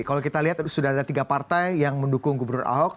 kalau kita lihat sudah ada tiga partai yang mendukung gubernur ahok